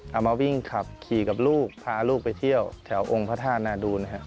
เอามาวิ่งขับขี่กับลูกพาลูกไปเที่ยวแถวองค์พระธาตุนาดูนนะครับ